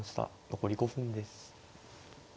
残り５分です。